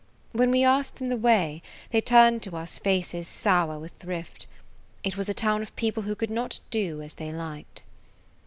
When we asked them the way they turned to us faces sour with thrift. It was a town of people who could not do as they liked.